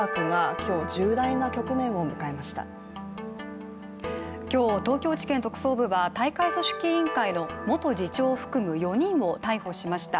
今日、東京地検特捜部は大会組織委員会の元次長を含む４人を逮捕しました。